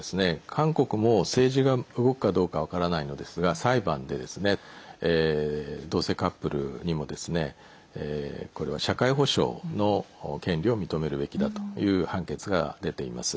韓国も政治が動くかどうか分からないのですが裁判で、同性カップルにもこれは社会保障の権利を認めるべきだという判決が出ています。